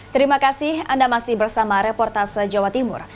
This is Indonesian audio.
terima kasih anda masih bersama reportase jawa timur